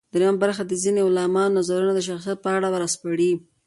درېیمه برخه د ځينې عالمانو نظرونه د شخصیت په اړه راسپړي.